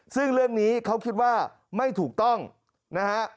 ซึ่งเรื่องนี้เขาคิดว่าไม่ถูกต้องนะฮะ